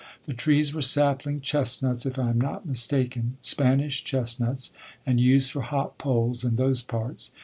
The trees were sapling chestnuts if I am not mistaken, Spanish chestnuts, and used for hop poles in those parts.